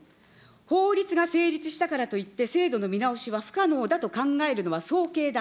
法律が成立したからといって、制度の見直しは不可能だと考えるのはそうけいだ。